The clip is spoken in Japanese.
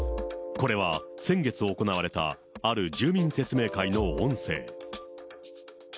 これは先月行われた、ある住民説明会の音声。